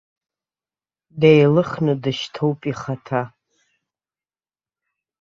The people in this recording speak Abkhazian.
Деилыхны дышьҭоуп ихаҭа.